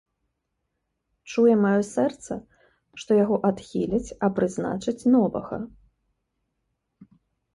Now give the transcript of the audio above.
Чуе маё сэрца, што яго адхіляць, а прызначаць новага.